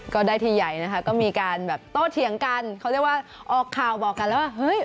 ก็ได้ทีใหญ่ก็มีการโตเถียงกันเขาเรียกว่าออกข่าวบอกกันแล้วว่า